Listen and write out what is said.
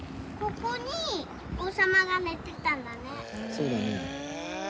そうだね。